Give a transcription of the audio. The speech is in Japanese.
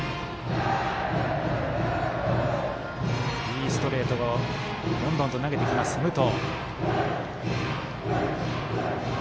いいストレートをどんどんと投げてきます、武藤。